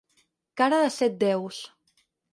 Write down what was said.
Cara de set déus.